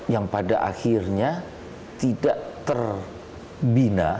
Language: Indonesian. yang pada akhirnya tidak terbina